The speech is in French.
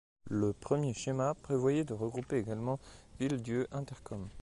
Le premier schéma prévoyait de regrouper également Villedieu Intercom.